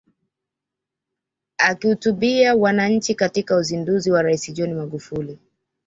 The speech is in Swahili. Akihutubia wananchi katika uzinduzi wa Rais John Magufuli